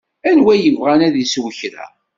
Anwa yebɣan ad isew kra?